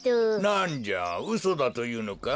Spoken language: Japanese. なんじゃうそだというのか？